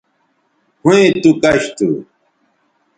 ھویں تو کش تھو